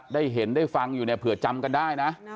ได้เห็นได้ฟังอยู่เนี่ยเผื่อจำกันได้นะ